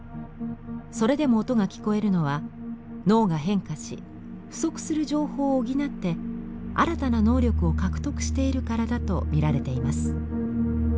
それでも音が聞こえるのは脳が変化し不足する情報を補って新たな能力を獲得しているからだと見られています。